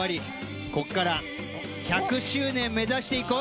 こっから１００周年目指していこうよ。